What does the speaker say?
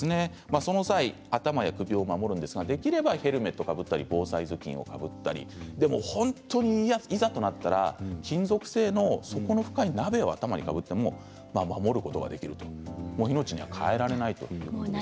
その際、頭や首を守るんですができればヘルメットをかぶったり防災ずきんをかぶったり本当にいざとなったら金属製の底の深い鍋を頭にかぶってでも守ることはできる命には代えられないということです。